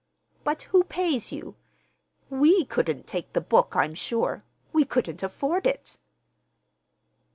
"But who pays you? we couldn't take the book, I'm sure. We couldn't afford it."